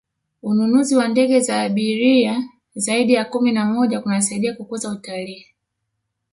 ununuzi wa ndege za abiriri zaidi ya kumi na moja kunasaidia kukuza utalii